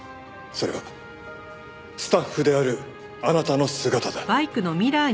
それはスタッフであるあなたの姿だ。